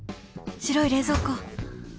［白い冷蔵庫！］